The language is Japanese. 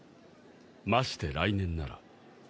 まして来年なら。